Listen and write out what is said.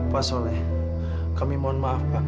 pak soleh kami mohon maaf pak